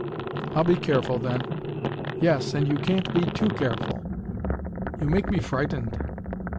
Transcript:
"I'll be careful, then." "Yes, and you can't be too careful." "You make me frightened."